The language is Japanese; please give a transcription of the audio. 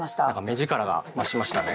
目力が増しましたね。